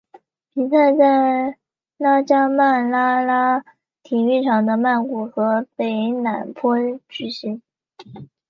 比赛在拉加曼拉拉体育场的曼谷和的北榄坡举行。